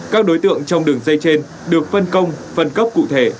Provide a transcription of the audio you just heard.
các đối tượng trong đường dây trên được phân công phân cấp cụ thể